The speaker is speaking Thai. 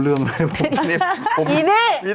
ดินี่นี่ไง